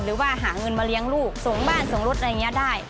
หรือว่าหาเงินมาเลี้ยงลูกส่งบ้านส่งรถอะไรอย่างนี้ได้